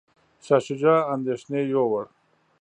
شاه شجاع اندیښنې یووړ.